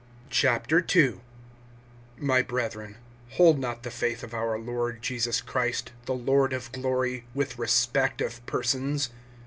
II. MY brethren, hold not the faith of our Lord Jesus Christ, [the Lord] of glory, with respect of persons.